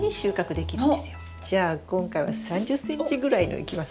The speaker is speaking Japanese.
じゃあ今回は３０ｃｍぐらいのいきます？